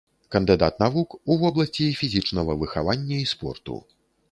Кандыдат навук у вобласці фізічнага выхавання і спорту.